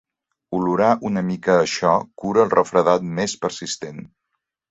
Olorar una mica això cura el refredat més persistent.